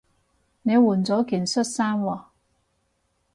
你換咗件恤衫喎